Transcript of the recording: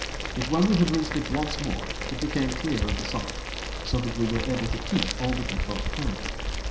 Yet when we had rinsed it once more, it became clear of the salt, so that we were able to keep all that we caught further.